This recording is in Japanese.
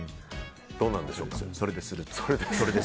どうなんでしょうか。